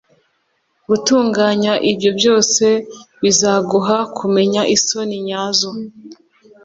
Gutunganya ibyo byose bizaguha kumenya isoni nyazo,